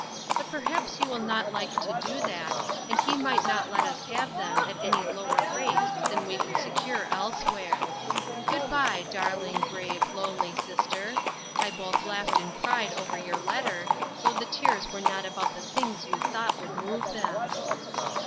But perhaps you will not like to do that, and he might not let us have them at any lower rates than we could se cure elsewhere. Good by, darling, brave, 258 INTERRUPTED. lonely sister. I both laughed and cried over your letter, though the tears were not about the things you thought would move them."